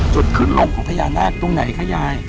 จุดขึ้นลงของพญานาคตรงไหนคะยาย